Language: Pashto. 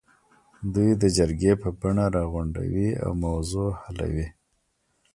دوی د جرګې په بڼه راغونډوي او موضوع حلوي.